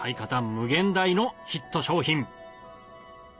無限大のヒット商品